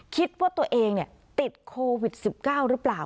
คิดว่าตัวเองติดโควิด๑๙หรือเปล่า